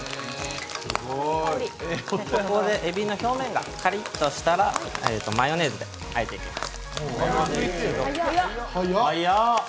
えびの表面がカリッとしたらマヨネーズで和えていきます。